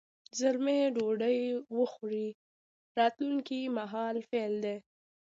زلمی ډوډۍ وخوري راتلونکي مهال فعل دی.